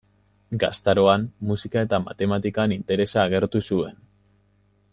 Gaztaroan musika eta matematikan interesa agertu zuen.